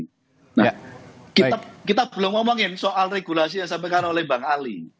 nah kita belum ngomongin soal regulasi yang disampaikan oleh bang ali